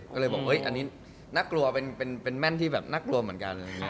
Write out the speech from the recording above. ก็เลยบอกอันนี้น่ากลัวเป็นแม่นที่แบบน่ากลัวเหมือนกัน